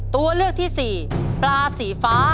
ตัวเลือกที่สี่ปลาสีฟ้า